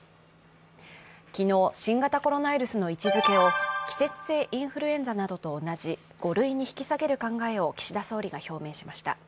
昨日、新型コロナウイルスの位置づけを季節性インフルエンザなどと同じ５類に引き下げる考えを岸田総理が表明しました。